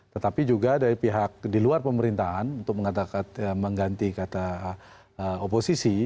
tetapi juga dari pihak di luar pemerintahan untuk mengganti kata oposisi